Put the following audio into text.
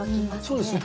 そうですね。